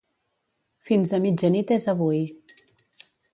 Fins a mitjanit és avui.